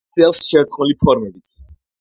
არსებობს შერწყმული ფორმებიც.